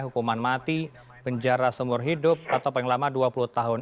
hukuman mati penjara seumur hidup atau paling lama dua puluh tahun